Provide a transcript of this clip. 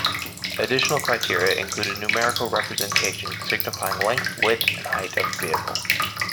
Additional criteria include a numerical representation signifying length, width and height of the vehicle.